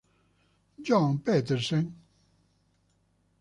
John Petersen